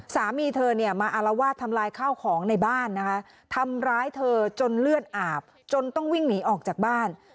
สามีเธอเนี่ยมาอารวาสทำลายข้าวของในบ้านนะคะทำร้ายเธอจนเลือดอาบจนต้องวิ่งหนีออกจากบ้าน